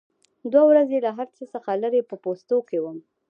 دوه ورځې له هر څه څخه لرې په پوستو کې وم.